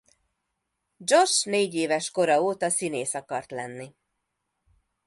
Josh négyéves kora óta színész akart lenni.